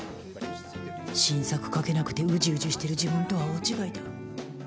新作書けなくてうじうじしている自分とは大違いだ。